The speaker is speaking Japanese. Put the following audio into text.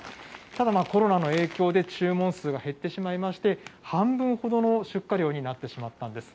ただ、コロナの影響で注文数が減ってしまいまして、半分ほどの出荷量になってしまったんです。